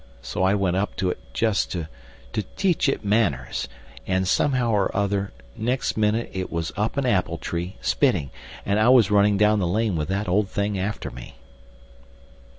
So I went up to it just to to teach it manners, and somehow or other, next minute it was up an apple tree, spitting, and I was running down the lane with that old thing after me."